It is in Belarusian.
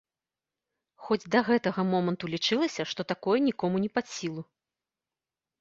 Хоць да гэтага моманту лічылася, што такое нікому не пад сілу.